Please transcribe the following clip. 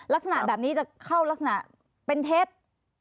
ลักษณะแบบนี้จะเข้ารักษณะเป็นเท็จ